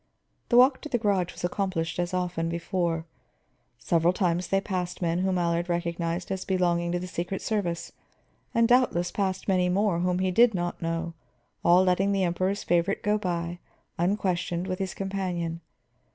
The walk to the garage was accomplished as often before. Several times they passed men whom Allard recognized as belonging to the secret service, and doubtless passed many more whom he did not know, all letting the Emperor's favorite go by, unquestioned, with his companion.